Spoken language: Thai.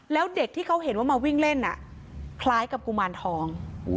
แล้วเด็กที่เขาเห็นว่ามาวิ่งเล่นคล้ายกับกุมารทอง